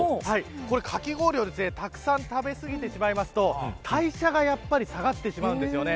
かき氷をたくさん食べ過ぎてしまうと代謝が下がってしまうんですよね。